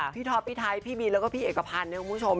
ท็อปพี่ไทยพี่บินแล้วก็พี่เอกพันธ์เนี่ยคุณผู้ชม